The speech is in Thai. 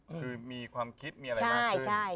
คือมีความคิดมีอะไรมากขึ้น